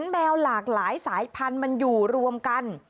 แมวหลากหลายสายพันธุ์มันอยู่รวมกัน